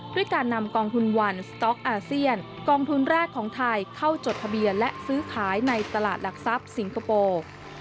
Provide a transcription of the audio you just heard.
ด้วยการนำกองทุนวันสต๊อกอาเซียนกองทุนแรกของไทยเข้าจดทะเบียนและซื้อขายในตลาดหลักทรัพย์สิงคโปร์